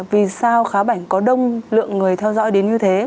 vì sao khá bảnh có đông lượng người theo dõi đến như thế